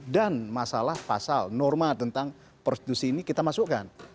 dan masalah pasal norma tentang prostitusi ini kita masukkan